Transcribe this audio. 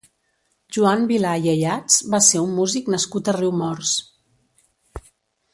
Joan Vilà i Ayats va ser un músic nascut a Riumors.